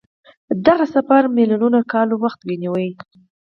دغه سفر میلیونونه کاله وخت ونیو.